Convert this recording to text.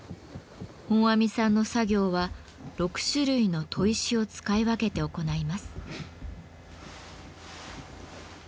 本阿弥さんの作業は６種類の砥石を使い分けて行います。